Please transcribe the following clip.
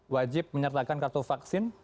wajib menyertakan kartu vaksin